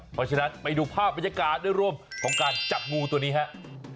เพราะฉะนั้นไปดูภาพบรรยากาศได้ร่วมของการจับงูตัวนี้ครับ